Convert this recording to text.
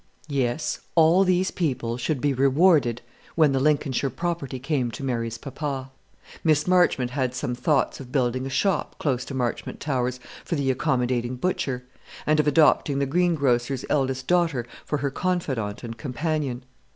Yes, all these people should be rewarded when the Lincolnshire property came to Mary's papa. Miss Marchmont had some thoughts of building a shop close to Marchmont Towers for the accommodating butcher, and of adopting the greengrocer's eldest daughter for her confidante and companion.